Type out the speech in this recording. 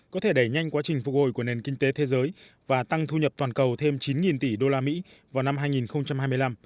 có thể đẩy nhanh quá trình phục hồi của nền kinh tế thế giới và tăng thu nhập toàn cầu thêm chín tỷ usd vào năm hai nghìn hai mươi năm